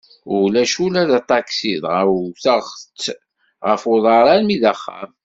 Ulac ula d aṭaksi, dɣa wteɣ-tt ɣef uḍar armi d axxam.